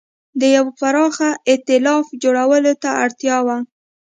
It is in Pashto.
د یوه پراخ اېتلاف جوړولو ته اړتیا وه.